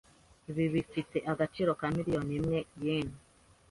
Ibi bifite agaciro ka miliyoni imwe yen .